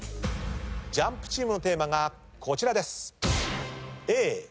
ＪＵＭＰチームのテーマがこちらです。